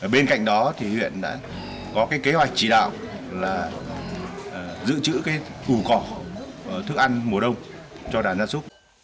bên cạnh đó thì huyện đã có cái kế hoạch chỉ đạo là giữ chữ củ cỏ thức ăn mùa đông cho đàn gia súc